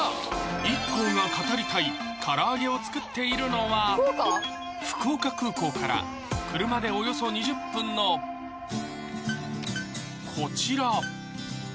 ＩＫＫＯが語りたい唐揚げを作っているのは福岡空港から車でおよそ２０分のこちら！